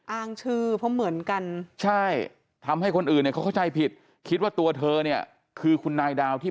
อ้างชื่อเพราะเหมือนกันใช่ทำให้คนอื่นเนี่ยเขาเข้าใจผิดคิดว่าตัวเธอเนี่ยคือคุณนายดาวที่